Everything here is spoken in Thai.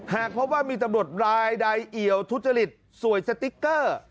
หากพบว่ามีตำรวจรายใดเอี่ยวทุจริตสวยสติ๊กเกอร์